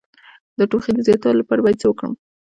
د ټوخي د زیاتوالي لپاره باید څه وکړم؟